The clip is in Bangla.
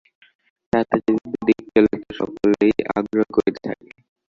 তাহাতে যদি দুদিক চলে তো সকলেই আগ্রহ করিতে থাকে।